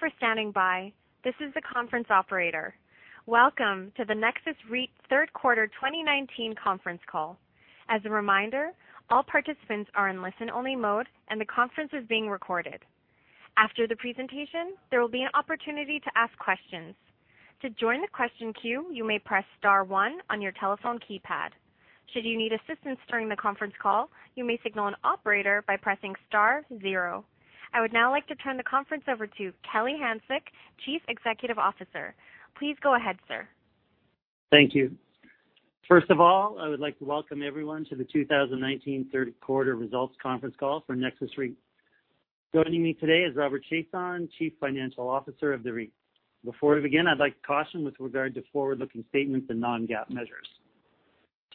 Thank you for standing by. This is the conference operator. Welcome to the Nexus REIT third quarter 2019 conference call. As a reminder, all participants are in listen-only mode and the conference is being recorded. After the presentation, there will be an opportunity to ask questions. To join the question queue, you may press star one on your telephone keypad. Should you need assistance during the conference call, you may signal an operator by pressing star zero. I would now like to turn the conference over to Kelly Hanczyk, Chief Executive Officer. Please go ahead, sir. Thank you. First of all, I would like to welcome everyone to the 2019 third-quarter results conference call for Nexus REIT. Joining me today is Robert Chiasson, Chief Financial Officer of the REIT. Before we begin, I'd like to caution with regard to forward-looking statements and non-GAAP measures.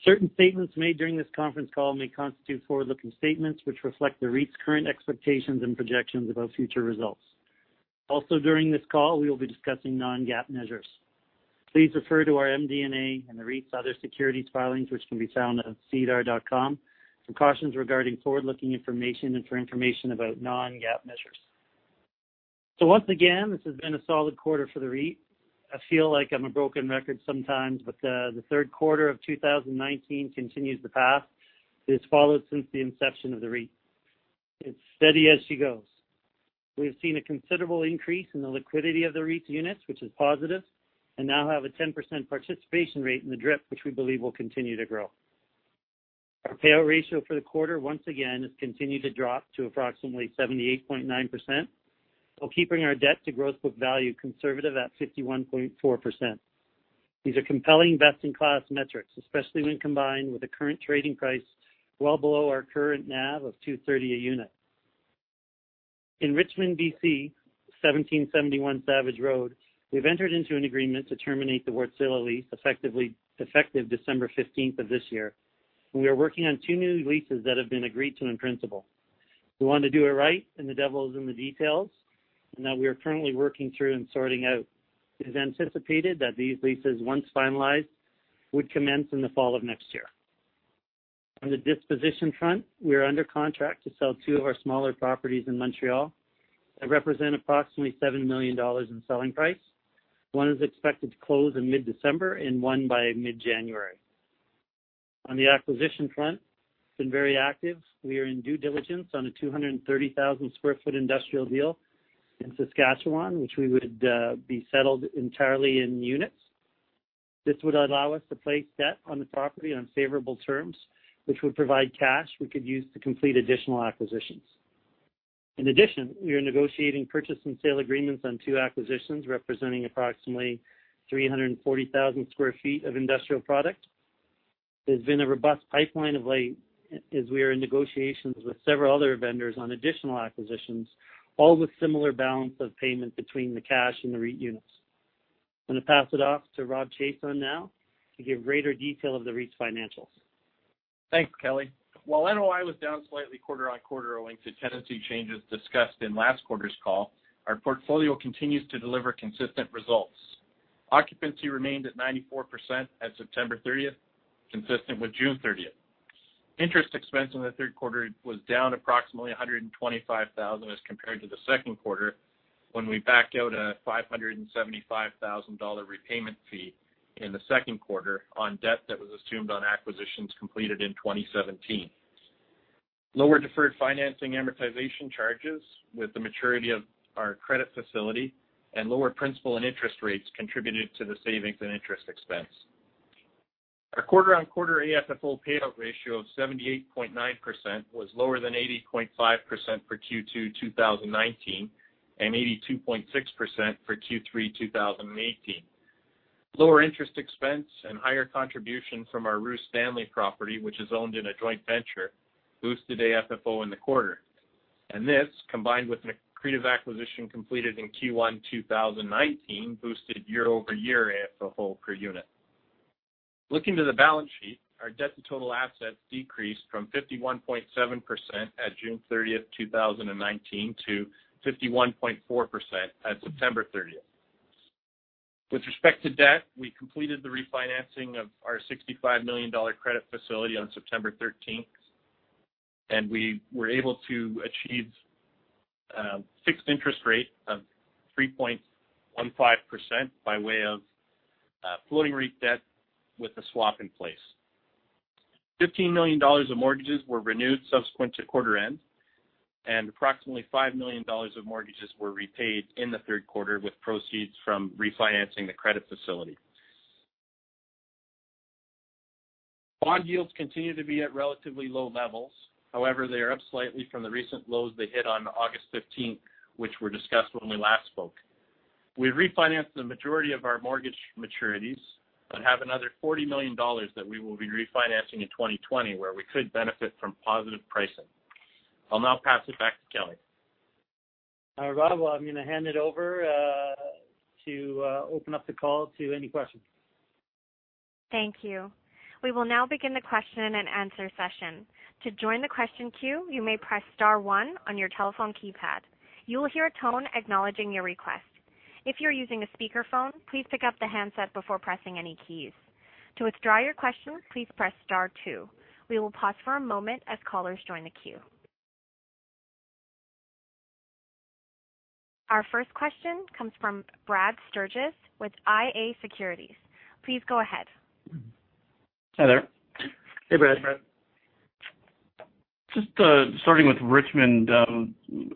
Certain statements made during this conference call may constitute forward-looking statements which reflect the REIT's current expectations and projections about future results. Also during this call, we will be discussing non-GAAP measures. Please refer to our MD&A and the REIT's other securities filings, which can be found at sedar.com, for cautions regarding forward-looking information and for information about non-GAAP measures. Once again, this has been a solid quarter for the REIT. I feel like I'm a broken record sometimes, but the third quarter of 2019 continues the path that has followed since the inception of the REIT. It's steady as she goes. We've seen a considerable increase in the liquidity of the REIT's units, which is positive, and now have a 10% participation rate in the DRIP, which we believe will continue to grow. Our payout ratio for the quarter, once again, has continued to drop to approximately 78.9%, while keeping our debt to gross book value conservative at 51.4%. These are compelling best-in-class metrics, especially when combined with the current trading price well below our current NAV of 2.30 a unit. In Richmond, B.C., 1771 Savage Road, we've entered into an agreement to terminate the Wärtsilä lease effective December 15th of this year, and we are working on two new leases that have been agreed to in principle. We want to do it right, and the devil is in the details and that we are currently working through and sorting out. It is anticipated that these leases, once finalized, would commence in the fall of next year. On the disposition front, we are under contract to sell two of our smaller properties in Montreal that represent approximately 7 million dollars in selling price. One is expected to close in mid-December, and one by mid-January. On the acquisition front, it's been very active. We are in due diligence on a 230,000 sq ft industrial deal in Saskatchewan, which we would be settled entirely in units. This would allow us to place debt on the property on favorable terms, which would provide cash we could use to complete additional acquisitions. In addition, we are negotiating purchase and sale agreements on two acquisitions representing approximately 340,000 sq ft of industrial product. There's been a robust pipeline of late as we are in negotiations with several other vendors on additional acquisitions, all with similar balance of payment between the cash and the REIT units. I'm going to pass it off to Rob Chiasson now to give greater detail of the REIT's financials. Thanks, Kelly. While NOI was down slightly quarter-on-quarter owing to tenancy changes discussed in last quarter's call, our portfolio continues to deliver consistent results. Occupancy remained at 94% at September 30th, consistent with June 30th. Interest expense in the third quarter was down approximately 125,000 as compared to the second quarter when we backed out a 575,000 dollar repayment fee in the second quarter on debt that was assumed on acquisitions completed in 2017. Lower deferred financing amortization charges with the maturity of our credit facility and lower principal and interest rates contributed to the savings and interest expense. Our quarter-on-quarter AFFO payout ratio of 78.9% was lower than 80.5% for Q2 2019 and 82.6% for Q3 2018. Lower interest expense and higher contribution from our Rue Stanley property, which is owned in a joint venture, boosted AFFO in the quarter. This, combined with an accretive acquisition completed in Q1 2019, boosted year-over-year AFFO per unit. Looking to the balance sheet, our debt to total assets decreased from 51.7% at June 30th, 2019 to 51.4% at September 30th. With respect to debt, we completed the refinancing of our 65 million dollar credit facility on September 13th, and we were able to achieve a fixed interest rate of 3.15% by way of floating REIT debt with a swap in place. 15 million dollars of mortgages were renewed subsequent to quarter end, and approximately 5 million dollars of mortgages were repaid in the third quarter with proceeds from refinancing the credit facility. Bond yields continue to be at relatively low levels. However, they are up slightly from the recent lows they hit on August 15th, which were discussed when we last spoke. We refinanced the majority of our mortgage maturities but have another 40 million dollars that we will be refinancing in 2020 where we could benefit from positive pricing. I will now pass it back to Kelly. All right, Rob. Well, I'm going to hand it over to open up the call to any questions. Thank you. We will now begin the question and answer session. To join the question queue, you may press star one on your telephone keypad. You will hear a tone acknowledging your request. If you're using a speakerphone, please pick up the handset before pressing any keys. To withdraw your question, please press star two. We will pause for a moment as callers join the queue. Our first question comes from Brad Sturges with iA Securities. Please go ahead. Hi there. Hey, Brad. Just starting with Richmond.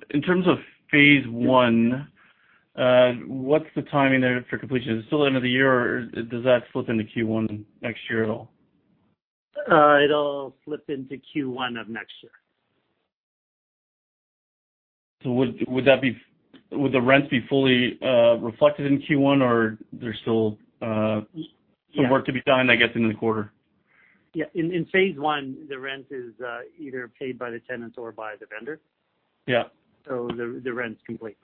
In terms of phase one, what's the timing there for completion? Is it still the end of the year, or does that slip into Q1 next year at all? It'll slip into Q1 of next year. Would the rents be fully reflected in Q1, or there's still some work to be done, I guess, in the quarter? Yeah. In phase one, the rent is either paid by the tenants or by the vendor. Yeah. The rent's complete.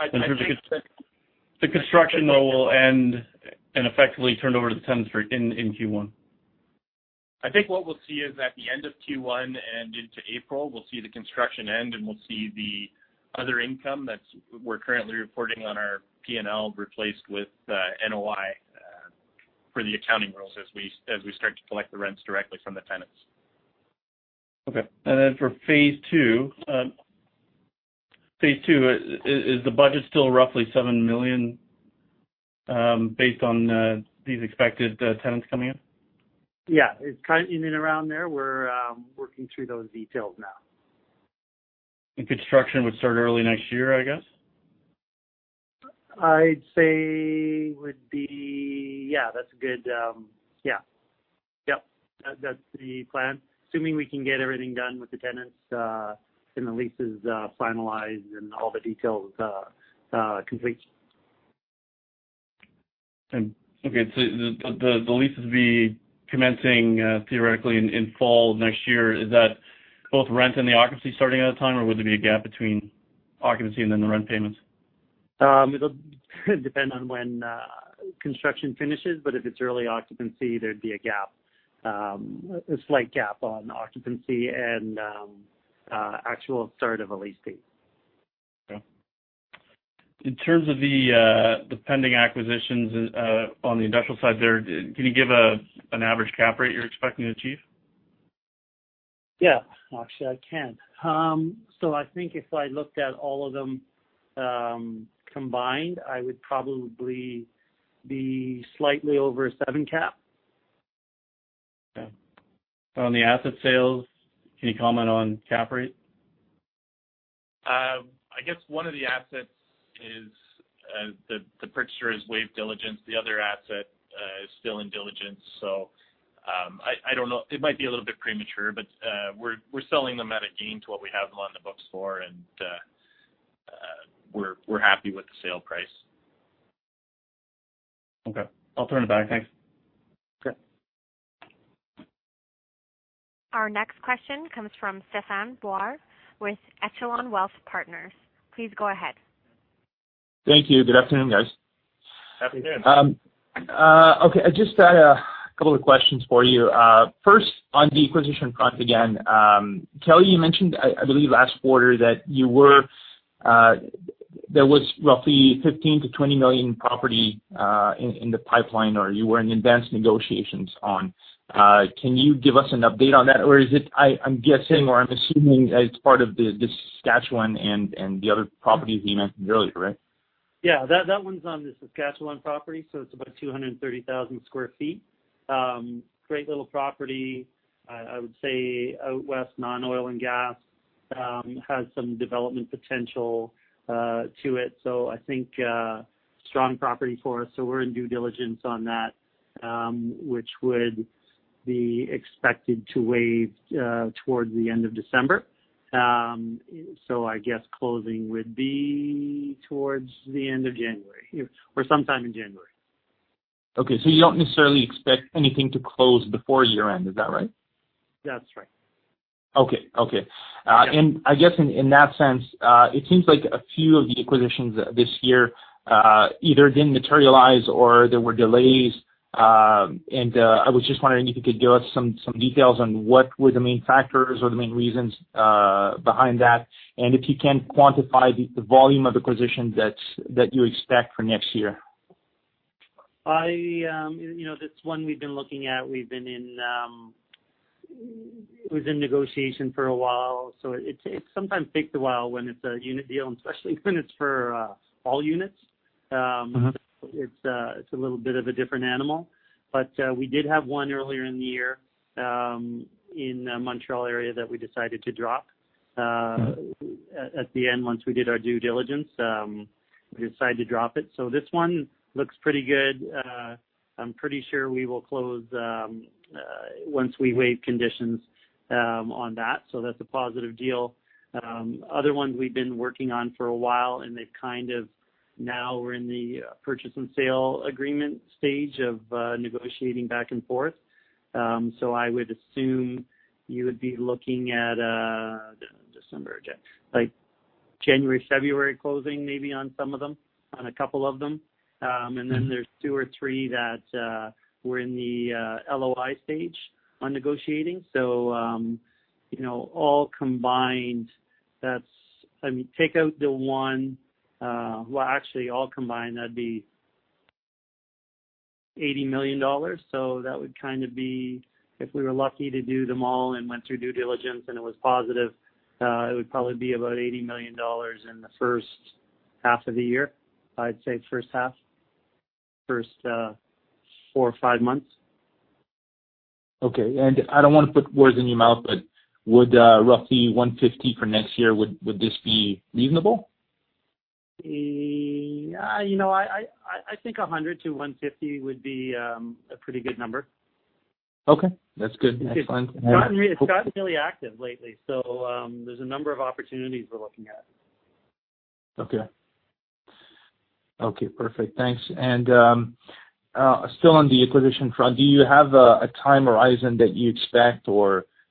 The construction, though, will end and effectively turn over to the tenants in Q1. I think what we'll see is at the end of Q1 and into April, we'll see the construction end, and we'll see the other income that we're currently reporting on our P&L replaced with NOI for the accounting rules as we start to collect the rents directly from the tenants. Okay. For phase two, is the budget still roughly 7 million based on these expected tenants coming in? Yeah. It's kind of in and around there. We're working through those details now. Construction would start early next year, I guess? Yeah. That's good. Yeah. That's the plan. Assuming we can get everything done with the tenants and the leases finalized and all the details complete. Okay. The leases be commencing theoretically in fall of next year. Is that both rent and the occupancy starting at a time, or would there be a gap between occupancy and then the rent payments? It'll depend on when construction finishes, but if it's early occupancy, there'd be a slight gap on occupancy and actual start of a lease date. Okay. In terms of the pending acquisitions on the industrial side there, can you give an average cap rate you're expecting to achieve? Yeah. Actually, I can. I think if I looked at all of them combined, I would probably be slightly over seven cap. Okay. On the asset sales, can you comment on cap rate? I guess one of the assets is the purchaser has waived diligence. The other asset is still in diligence. I don't know. It might be a little bit premature, but we're selling them at a gain to what we have them on the books for, and we're happy with the sale price. Okay. I'll turn it back. Thanks. Okay. Our next question comes from Stephan Boire with Echelon Wealth Partners. Please go ahead. Thank you. Good afternoon, guys. Happy noon. Okay. I just had a couple of questions for you. First, on the acquisition front again. Kelly, you mentioned, I believe, last quarter that there was roughly 15 million-20 million in property in the pipeline, or you were in advanced negotiations on. Can you give us an update on that, or I'm guessing, or I'm assuming it's part of the Saskatchewan and the other properties you mentioned earlier, right? That one's on the Saskatchewan property. It's about 230,000 sq ft. Great little property. I would say out west, non-oil and gas. Has some development potential to it. I think strong property for us. We're in due diligence on that, which would be expected to waive towards the end of December. I guess closing would be towards the end of January or sometime in January. Okay. You don't necessarily expect anything to close before year-end. Is that right? That's right. Okay. I guess in that sense, it seems like a few of the acquisitions this year either didn't materialize or there were delays. I was just wondering if you could give us some details on what were the main factors or the main reasons behind that, and if you can quantify the volume of acquisitions that you expect for next year. This one we've been looking at, it was in negotiation for a while. It sometimes takes a while when it's a unit deal, and especially when it's for all units. It's a little bit of a different animal. We did have one earlier in the year in the Montreal area that we decided to drop. At the end, once we did our due diligence, we decided to drop it. This one looks pretty good. I'm pretty sure we will close once we waive conditions on that. That's a positive deal. Other ones we've been working on for a while, and they've kind of now we're in the purchase and sale agreement stage of negotiating back and forth. I would assume you would be looking at December, January, like January, February closing maybe on some of them, on a couple of them. There's two or three that were in the LOI stage on negotiating. Well, actually all combined, that'd be 80 million dollars. That would be if we were lucky to do them all and went through due diligence and it was positive, it would probably be about 80 million dollars in the first half of the year. I'd say first half. First four or five months. Okay. I don't want to put words in your mouth, but would roughly 150 for next year, would this be reasonable? I think 100-150 would be a pretty good number. Okay. That's good. Excellent. It's gotten really active lately. There's a number of opportunities we're looking at. Okay. Perfect. Thanks. Still on the acquisition front, do you have a time horizon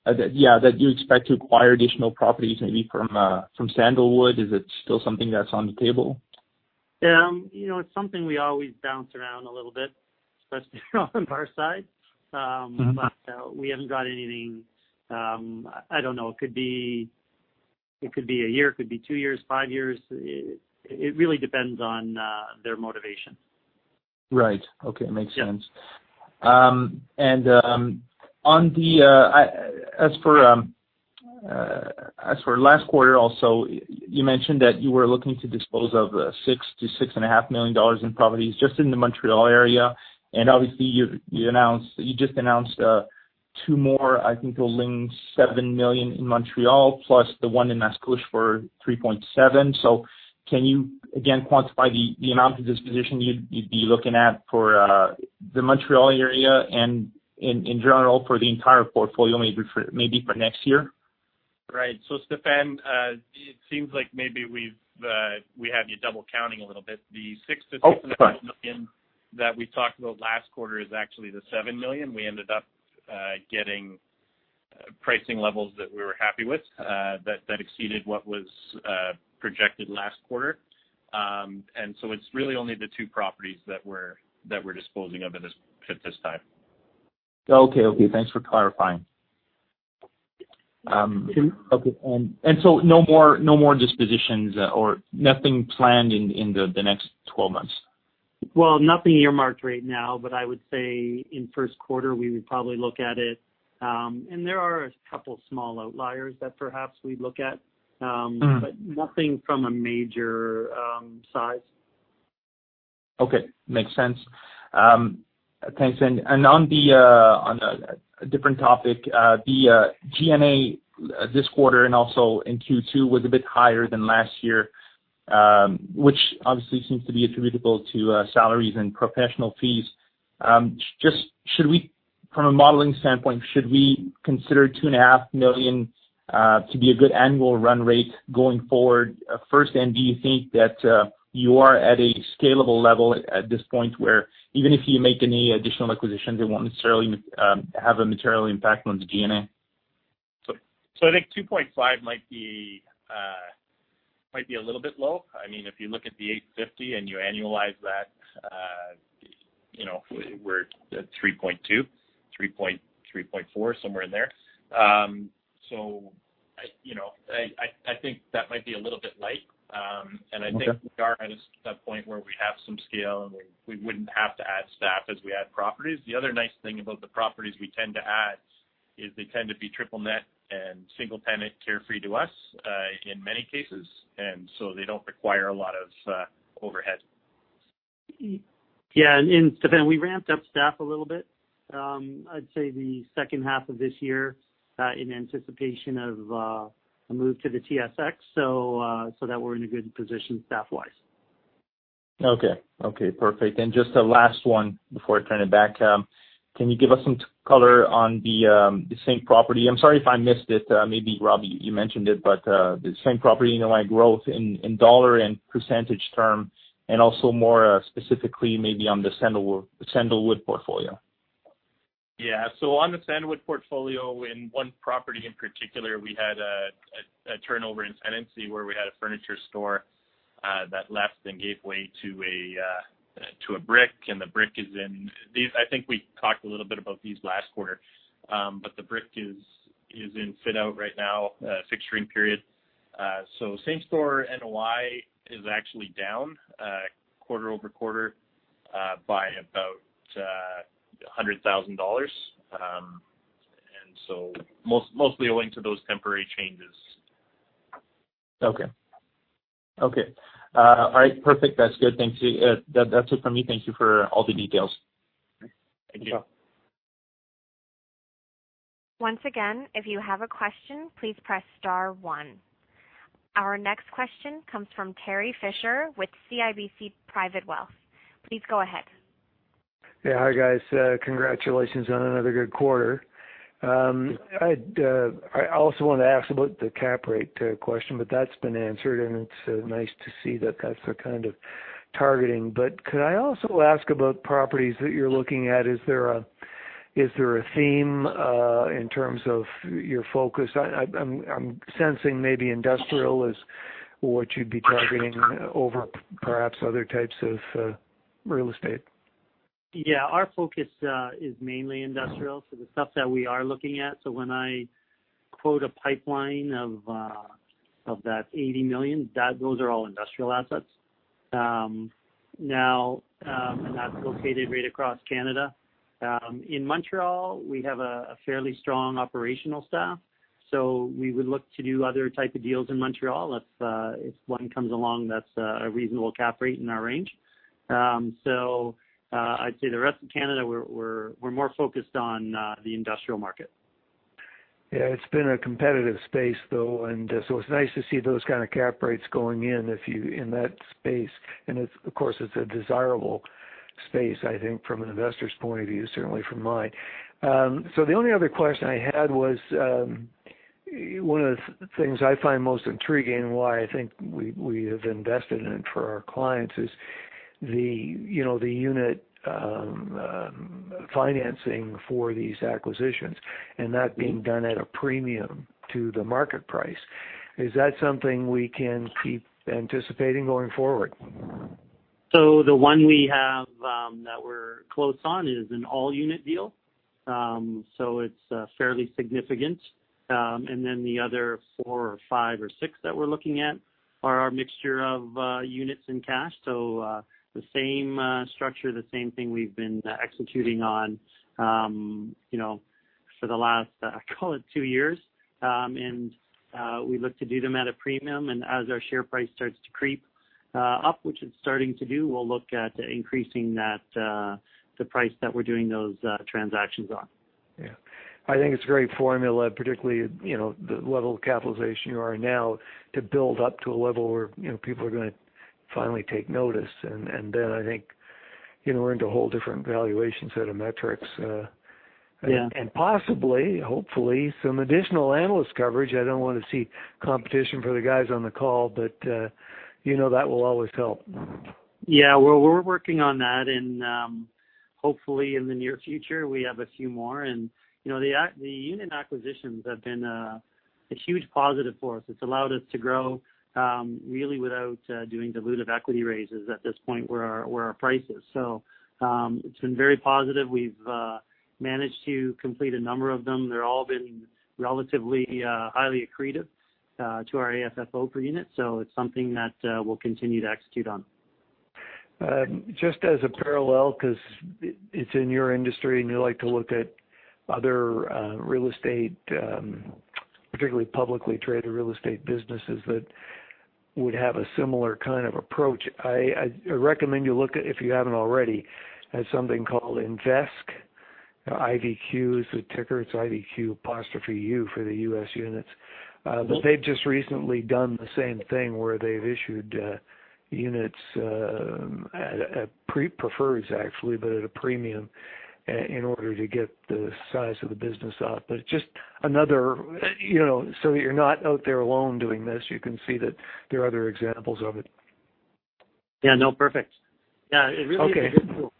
that you expect to acquire additional properties, maybe from Sandalwood? Is it still something that's on the table? Yeah. It's something we always bounce around a little bit, especially on our side. We haven't got anything. I don't know. It could be a year, it could be two years, five years. It really depends on their motivation. Right. Okay. Makes sense. Yeah. As for last quarter also, you mentioned that you were looking to dispose of 6 million dollars to CAD 6.5 million in properties just in the Montreal area. Obviously, you just announced two more, I think totaling 7 million in Montreal plus the one in for 3.7. Can you, again, quantify the amount of disposition you'd be looking at for the Montreal area and in general for the entire portfolio maybe for next year? Right. Stephan, it seems like maybe we have you double counting a little bit. Oh, sorry. 6.5 million that we talked about last quarter is actually the 7 million. We ended up getting pricing levels that we were happy with that exceeded what was projected last quarter. It's really only the two properties that we're disposing of at this time. Okay. Thanks for clarifying. No more dispositions or nothing planned in the next 12 months? Well, nothing earmarked right now, but I would say in first quarter we would probably look at it. There are a couple small outliers that perhaps we'd look at. Nothing from a major size. Okay. Makes sense. Thanks. On a different topic, the G&A this quarter and also in Q2 was a bit higher than last year, which obviously seems to be attributable to salaries and professional fees. From a modeling standpoint, should we consider 2.5 million to be a good annual run rate going forward first? Do you think that you are at a scalable level at this point, where even if you make any additional acquisitions, it won't necessarily have a material impact on the G&A? I think 2.5 might be a little bit low. If you look at the 850 and you annualize that, we're at 3.2, 3.4, somewhere in there. I think that might be a little bit light. Okay. I think we are at a point where we have some scale and we wouldn't have to add staff as we add properties. The other nice thing about the properties we tend to add is they tend to be triple net and single tenant carefree to us in many cases, and so they don't require a lot of overhead. Yeah. Stephan, we ramped up staff a little bit. I'd say the second half of this year in anticipation of a move to the TSX so that we're in a good position staff-wise. Okay. Perfect. Just a last one before I turn it back. Can you give us some color on the same property? I'm sorry if I missed it. Maybe, Rob, you mentioned it, but the same-property NOI growth in CAD and percentage term, and also more specifically maybe on the Sandalwood portfolio. On the Sandalwood portfolio in one property in particular, we had a turnover in tenancy where we had a furniture store that left and gave way to a Brick. The Brick, I think we talked a little bit about these last quarter. The Brick is in fit out right now, fixturing period. Same-property NOI is actually down quarter-over-quarter by about 100,000 dollars. Mostly owing to those temporary changes. Okay. All right. Perfect. That's good. Thank you. That's it for me. Thank you for all the details. Thank you. Sure. Once again, if you have a question, please press star one. Our next question comes from Terry Fisher with CIBC Private Wealth. Please go ahead. Yeah. Hi, guys. Congratulations on another good quarter. I also want to ask about the cap rate question, but that's been answered and it's nice to see that's the kind of targeting. Could I also ask about properties that you're looking at? Is there a theme in terms of your focus? I'm sensing maybe industrial is what you'd be targeting over perhaps other types of real estate. Our focus is mainly industrial, so the stuff that we are looking at. When I quote a pipeline of that 80 million, those are all industrial assets. That's located right across Canada. In Montreal, we have a fairly strong operational staff, so we would look to do other type of deals in Montreal if one comes along that's a reasonable cap rate in our range. I'd say the rest of Canada, we're more focused on the industrial market. Yeah. It's been a competitive space, though, and so it's nice to see those kind of cap rates going in that space. Of course, it's a desirable space, I think, from an investor's point of view, certainly from mine. The only other question I had was, one of the things I find most intriguing why I think we have invested in it for our clients is the unit financing for these acquisitions, and that being done at a premium to the market price. Is that something we can keep anticipating going forward? The one we have that we're close on is an all-unit deal, so it's fairly significant. The other four or five or six that we're looking at are a mixture of units and cash. The same structure, the same thing we've been executing on for the last, call it two years. We look to do them at a premium. As our share price starts to creep up, which it's starting to do, we'll look at increasing the price that we're doing those transactions on. Yeah. I think it's a great formula, particularly the level of capitalization you are now, to build up to a level where people are going to finally take notice, and then I think we're into a whole different valuation set of metrics. Yeah. Possibly, hopefully, some additional analyst coverage. I don't want to see competition for the guys on the call, but that will always help. Yeah. Well, we're working on that, hopefully, in the near future, we have a few more. The unit acquisitions have been a huge positive for us. It's allowed us to grow really without doing dilutive equity raises at this point, where our price is. It's been very positive. We've managed to complete a number of them. They're all been relatively highly accretive to our AFFO per unit. It's something that we'll continue to execute on. Just as a parallel, because it's in your industry and you like to look at other real estate, particularly publicly traded real estate businesses that would have a similar kind of approach. I recommend you look at, if you haven't already, at something called Invesque, IVQ is the ticker. It's IVQ.U for the U.S. units. They've just recently done the same thing, where they've issued units, prefers actually, at a premium in order to get the size of the business up. Just another, so that you're not out there alone doing this, you can see that there are other examples of it. Yeah. No, perfect. Yeah, it really is a good tool. Okay.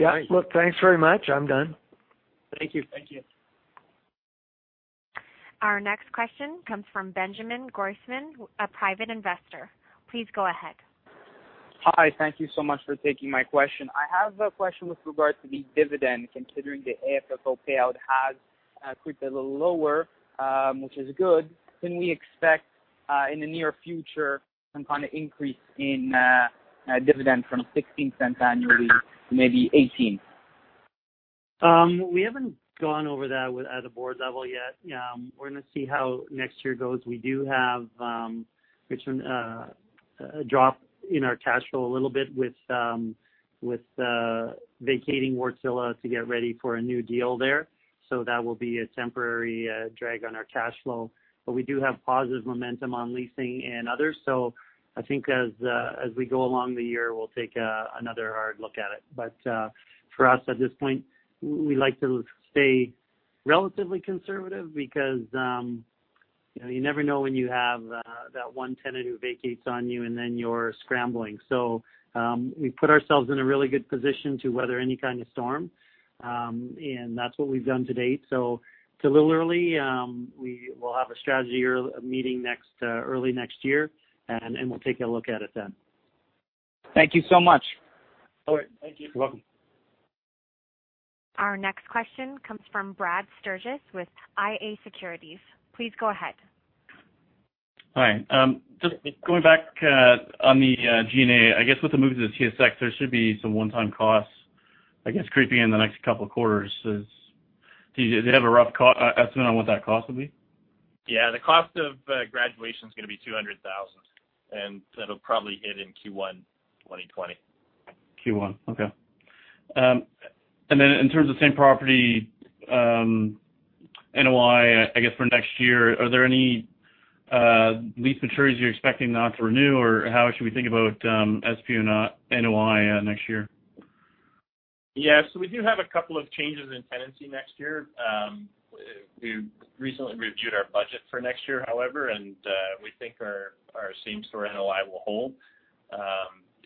Yeah. Look, thanks very much. I'm done. Thank you. Our next question comes from Benjamin Goisman, a private investor. Please go ahead. Hi. Thank you so much for taking my question. I have a question with regard to the dividend, considering the AFFO payout has creeped a little lower, which is good. Can we expect, in the near future, some kind of increase in dividend from 0.16 annually to maybe 0.18? We haven't gone over that at the board level yet. We're going to see how next year goes. We do have a drop in our cash flow a little bit with vacating Wärtsilä to get ready for a new deal there. That will be a temporary drag on our cash flow. We do have positive momentum on leasing and others. I think as we go along the year, we'll take another hard look at it. For us at this point, we like to stay relatively conservative because you never know when you have that one tenant who vacates on you and then you're scrambling. We put ourselves in a really good position to weather any kind of storm, and that's what we've done to date. It's a little early. We'll have a strategy meeting early next year, and we'll take a look at it then. Thank you so much. All right. Thank you. You're welcome. Our next question comes from Brad Sturges with iA Securities. Please go ahead. Hi. Just going back on the G&A. I guess with the move to the TSX, there should be some one-time costs, I guess, creeping in the next couple of quarters. Do you have a rough estimate on what that cost will be? Yeah, the cost of graduation's going to be 200,000. That'll probably hit in Q1 2020. Okay. Then, in terms of same-property NOI, I guess, for next year, are there any lease maturities you're expecting not to renew, or how should we think about same-property NOI next year? Yeah. We do have a couple of changes in tenancy next year. We recently reviewed our budget for next year, however, and we think our same-store NOI will hold.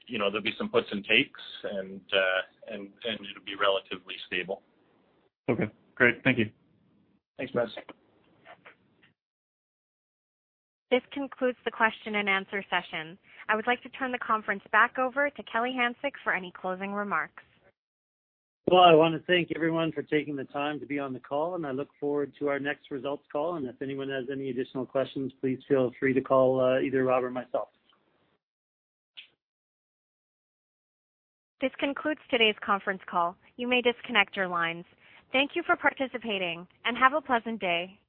There'll be some puts and takes, and it'll be relatively stable. Okay, great. Thank you. Thanks, Brad. This concludes the question and answer session. I would like to turn the conference back over to Kelly Hanczyk for any closing remarks. Well, I want to thank everyone for taking the time to be on the call. I look forward to our next results call. If anyone has any additional questions, please feel free to call either Robert or myself. This concludes today's conference call. You may disconnect your lines. Thank you for participating, and have a pleasant day.